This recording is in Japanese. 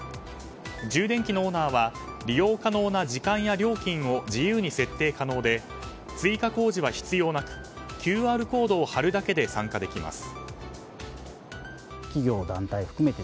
充電器のオーナーは利用可能な時間や料金を自由に設定可能で追加工事は必要なくＱＲコードを貼るだけで参加できます。